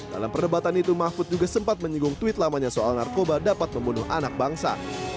dalam perdebatan itu mahfud juga sempat menyinggung tweet lamanya soal narkoba dapat membunuh anak bangsa